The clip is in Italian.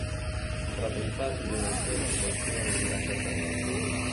Si tratta infatti di una semplice azione di accertamento.